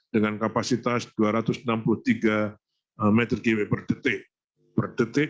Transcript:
dengan kapasitas dua ratus enam puluh tiga meter kubik per detik per detik